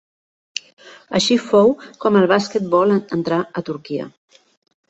Així fou com el basquetbol entrà a Turquia.